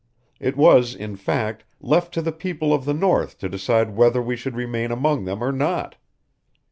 It was, in fact, left to the people of the north to decide whether we should remain among them or not.